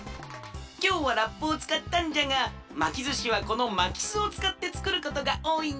きょうはラップをつかったんじゃがまきずしはこのまきすをつかってつくることがおおいんじゃ。